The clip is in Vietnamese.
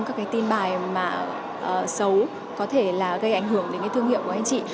các cái tin bài mà xấu có thể là gây ảnh hưởng đến cái thương hiệu của anh chị